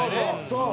そう！